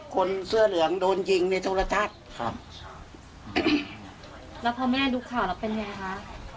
คนเสื้อเหลืองโดนยิงในโทรทัศน์ครับแล้วพอแม่ดูข่าวแล้วเป็นไงคะ